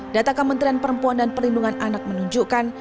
data kementerian perempuan dan perlindungan anak menunjukkan